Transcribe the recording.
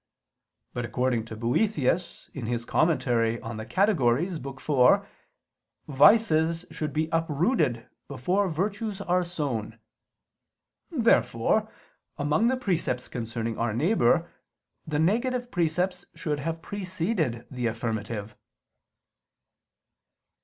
But according to Boethius in his commentary on the Categories [*Lib. iv, cap. De Oppos.], vices should be uprooted before virtues are sown. Therefore among the precepts concerning our neighbor, the negative precepts should have preceded the affirmative.